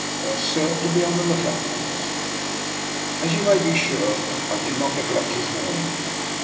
" They are certain to be on the lookout for us." As you may be sure, I did not neglect his warning.